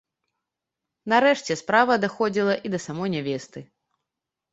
Нарэшце, справа даходзіла і да самой нявесты.